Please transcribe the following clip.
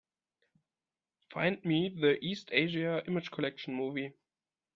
Find me the East Asia Image Collection movie.